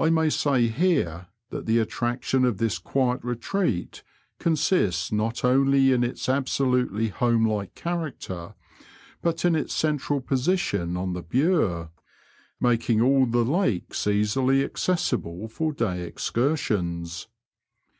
I may say here that the attraction of this quiet retreat consists not only in its absolutely homelike character, but in its central position on the Bure, making all the lakes easily accessible for day excursions.